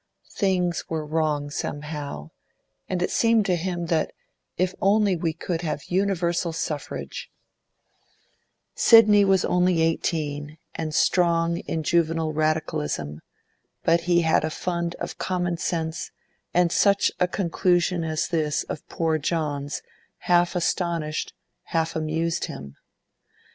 Things were wrong somehow, and it seemed to him that 'if only we could have universal suffrage—' Sidney was only eighteen, and strong in juvenile Radicalism, but he had a fund of common sense, and such a conclusion as this of poor John's half astonished, half amused him.